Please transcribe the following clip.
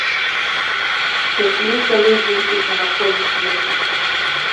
Сышліся людзі і з навакольных вёсак.